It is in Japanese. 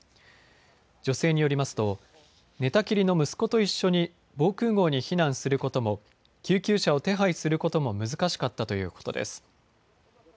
女性によりますと寝たきりの息子と一緒に防空ごうに避難することも救急車を手配することも難しかったということです。